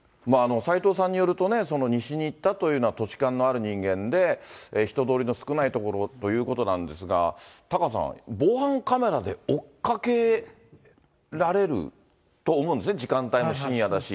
齊藤さんによるとね、西に行ったというのは、土地勘のある人間で、人通りの少ない所をということなんですが、タカさん、防犯カメラで追っかけられると思うんですね、時間帯も深夜だし。